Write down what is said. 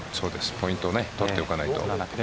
ポイントを取っておかないと。